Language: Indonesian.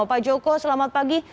pak joko selamat pagi